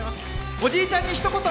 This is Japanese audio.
おじいちゃんにひと言。